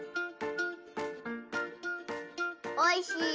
おいしい。